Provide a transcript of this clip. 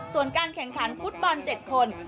ส่วนการแข่งขันฟุตบอล๗คน